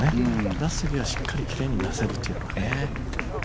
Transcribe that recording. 出す時はしっかり奇麗に出せるというのが。